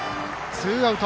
ツーアウト。